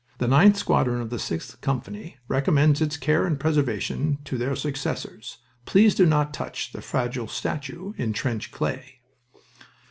The 9th Squadron of the 6th Company recommends its care and preservation to their successors. Please do not touch the fragile statue in trench clay."